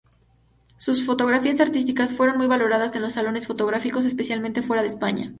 Sus fotografías artísticas fueron muy valoradas en los salones fotográficos, especialmente fuera de España.